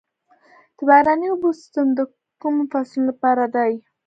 د باراني اوبو سیستم د کومو فصلونو لپاره دی؟